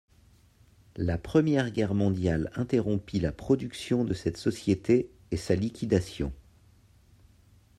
La Première Guerre mondiale interrompit la production de cette société et sa liquidation.